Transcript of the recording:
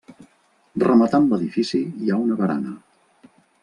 Rematant l'edifici hi ha una barana.